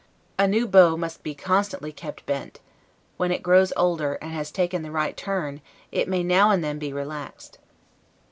A new bow must be constantly kept bent; when it grows older, and has taken the right turn, it may now and then be relaxed.